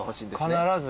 必ず。